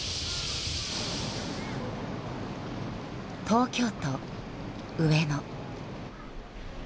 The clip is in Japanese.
東京都上野。